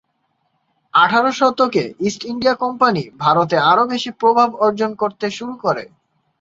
আঠারো শতকে East India Company ভারতে আরও বেশি প্রভাব অর্জন করতে শুরু করে।